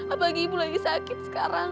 apalagi ibu lagi sakit sekarang